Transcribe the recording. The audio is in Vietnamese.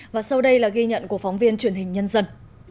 và sau đây là ghi nhận của phóng viên truyền hình nhân dân